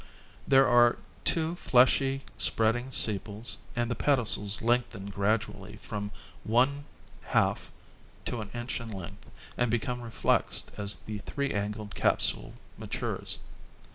There are two fleshy spreading sepals and the pedicels lengthen gradually from one half to an inch in length and become reflexed as the three angled capsule matures.